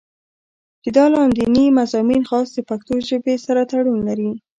چې دا لانديني مضامين خاص د پښتو ژبې سره تړون لري